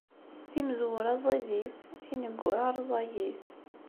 Timezwura ẓidit, tineggura rẓagit.